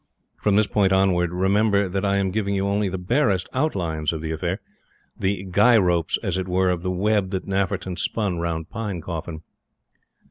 From this point onwards, remember that I am giving you only the barest outlines of the affair the guy ropes, as it were, of the web that Nafferton spun round Pinecoffin.